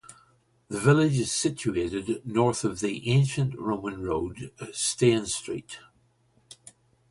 The village is situated north of the ancient Roman road Stane Street.